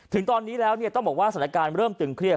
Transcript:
ถึงตอนนี้แล้วต้องบอกว่าสถานการณ์เริ่มตึงเครียด